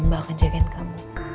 mbak akan jagain kamu